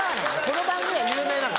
この番組では有名なの？